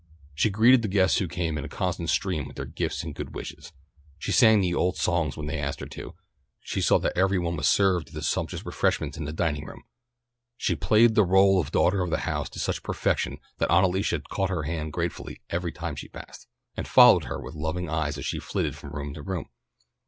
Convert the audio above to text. She greeted the guests who came in a constant stream with their gifts and good wishes. She sang the old songs when they asked her to, she saw that every one was served to the sumptuous refreshments in the dining room; she played her rôle of daughter of the house to such perfection that Aunt Alicia caught her hand gratefully every time she passed, and followed her with loving eyes as she flitted from room to room.